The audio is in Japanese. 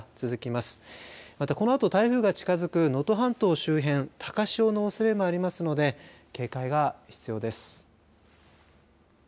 また、このあと台風が近づく能登半島周辺高潮のおそれもありますので警戒が必要です。